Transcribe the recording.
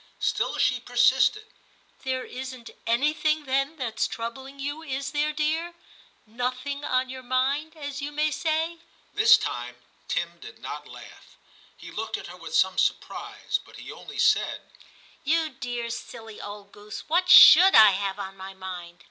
Still she persisted. * There isn't anything, then, that's troubling you, is there, dear, — nothing on your mind, as you may say }' This time Tim did not laugh ; he looked at her with some surprise, but he only said, *You dear silly old goose, what should I have on my mind